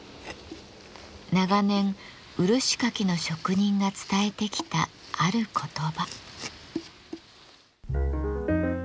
長年漆かきの職人が伝えてきたある言葉。